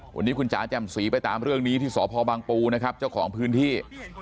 วันนี้คุณจ๋าแจ่มสีไปตามเรื่องนี้ที่สพบังปูนะครับเจ้าของพื้นที่